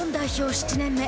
７年目